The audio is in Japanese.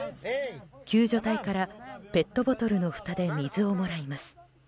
救助隊からペットボトルのふたで水をもらいます。